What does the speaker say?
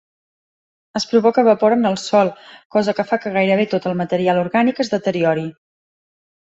Es provoca vapor en el sòl, cosa que fa que gaire bé tot el material orgànic es deteriori.